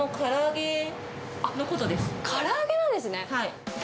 から揚げなんですね。